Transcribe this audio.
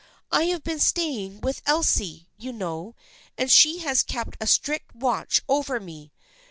I have been staying with Elsie, you know, and she has kept a strict watch over me.